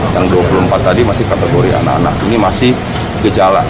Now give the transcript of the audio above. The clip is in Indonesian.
yang dua puluh empat tadi masih kategori anak anak ini masih gejala